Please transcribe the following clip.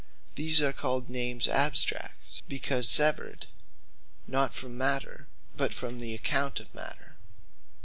These are called Names Abstract; Because Severed (not from Matter, but) from the account of Matter.